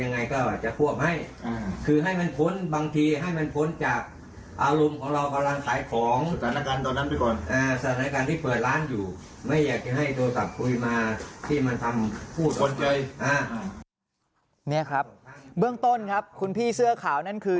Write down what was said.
นี่ครับเบื้องต้นครับคุณพี่เสื้อขาวนั่นคือ